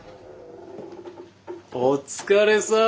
お疲れさん。